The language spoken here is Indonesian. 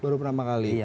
baru pertama kali